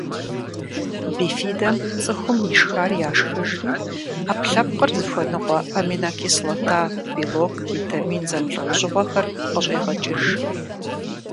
Бифидэм цӏыхум ишхар яшхыжри, ӏэпкълъэпкъыр зыхуэныкъуэ аминокислота, белок, витамин зэмылӏэужьыгъуэхэр къыщӏегъэкӏыж.